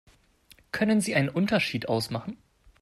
Können Sie einen Unterschied ausmachen?